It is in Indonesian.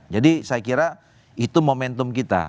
jadi saya kira itu momentum kita